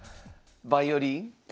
バイオリン？